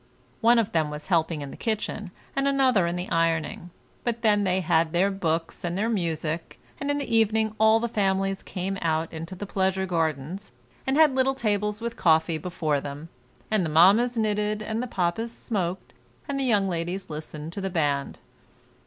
One of them was helping in the kitchen, and another in the ironing; but then they had their books and their music, and in the evening all the families came out into the pleasure gardens, and had little tables with coffee before them, and the mammas knitted, and the papas smoked, and the young ladies listened to the band.